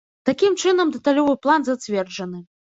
Такім чынам, дэталёвы план зацверджаны.